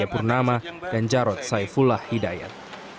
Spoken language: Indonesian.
dekat purnama dan jarod saifulah hidayat